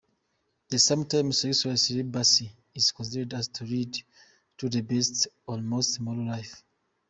Sometimes Sexual celibacy is considered to lead to the best, or most moral life.